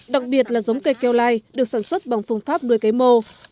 đặc biệt là giống cây keo lai được sản xuất bằng phương pháp nuôi cây mô